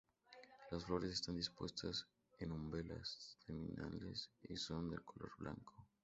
Las flores están dispuestas en umbelas terminales y son de color blanco.